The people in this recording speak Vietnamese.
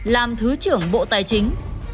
làm thứ trưởng bộ tài chính